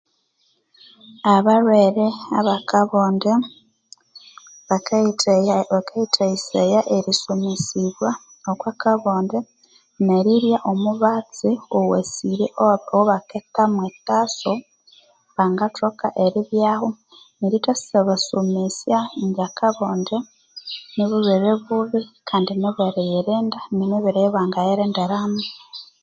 Abalhwere abakabonde bakayithayisaya erisomesibwa okwa kabonde nerirya omubatsi owasire owabakethamo Taso bangathoka eribyaho nerithasa basomesya indi akabonde nibulhwere buubi nemibere eyibangayirindiramo